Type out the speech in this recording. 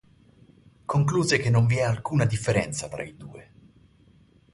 Concluse che non vi è alcuna differenza tra i due.